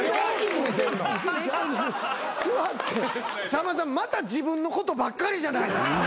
さんまさんまた自分のことばっかりじゃないですか。